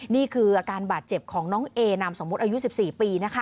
นี่คืออาการบาดเจ็บของน้องเอนามสมมุติอายุ๑๔ปีนะคะ